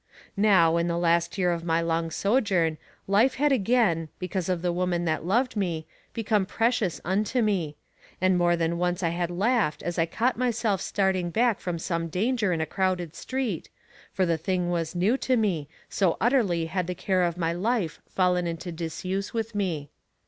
Now, in the last year of my long sojourn, life had again, because of the woman that loved me, become precious unto me, and more than once had I laughed as I caught myself starting back from some danger in a crowded street, for the thing was new to me, so utterly had the care of my life fallen into disuse with me.